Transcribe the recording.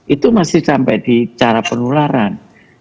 itu masih sampai di cara penularan